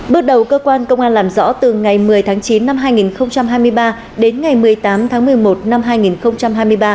bước đầu cơ quan công an làm rõ từ ngày một mươi tháng chín năm hai nghìn hai mươi ba đến ngày một mươi tám tháng một mươi một năm hai nghìn hai mươi ba